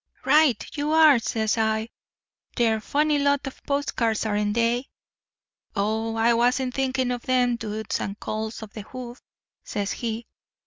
"'Right you are,' says I. 'They're a funny lot of post cards, aren't they?' "'Oh, I wasn't thinking of them dudes and culls on the hoof,' says he.